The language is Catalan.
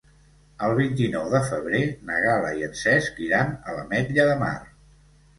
El vint-i-nou de febrer na Gal·la i en Cesc iran a l'Ametlla de Mar.